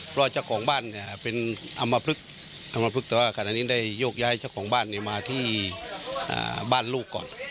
เพราะเจ้าของบ้านเนี่ยเป็นอำมพลึกอำมพลึกแต่ว่าขณะนี้ได้โยกย้ายเจ้าของบ้านมาที่บ้านลูกก่อน